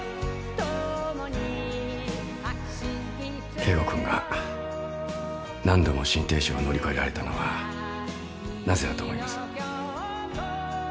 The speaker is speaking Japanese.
圭吾君が何度も心停止を乗り越えられたのはなぜだと思います？